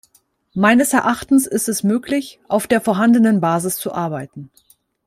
Meines Erachtens ist es möglich, auf der vorhandenen Basis zu arbeiten.